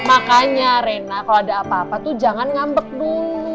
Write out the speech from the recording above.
makanya rena kalau ada apa apa tuh jangan ngambek dulu